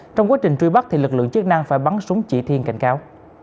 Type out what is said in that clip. trong quá trình truy bắt lực lượng chức năng phải bắn súng chỉ thiên cảnh cáo